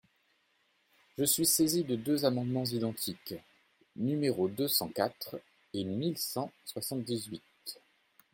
Je suis saisie de deux amendements identiques, numéros deux cent quatre et mille cent soixante-dix-huit.